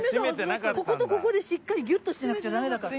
こことここでしっかりギュッとしなくちゃダメだから。